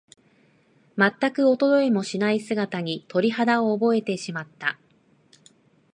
まったく衰えもしない姿に、鳥肌を覚えてしまった。